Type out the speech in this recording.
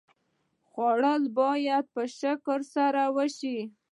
خوړل باید په شکر سره وشي